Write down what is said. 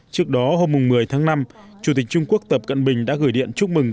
trước đó hôm một mươi tháng năm chủ tịch trung quốc tập cận bình đã gửi điện chúc mừng